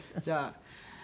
じゃあ。